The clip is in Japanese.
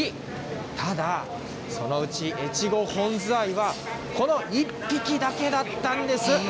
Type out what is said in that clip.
ただ、そのうち越後本ズワイは、この１匹だけだったんです。